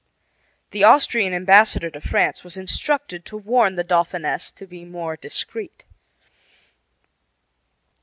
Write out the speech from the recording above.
The Austrian ambassador to France was instructed to warn the Dauphiness to be more discreet.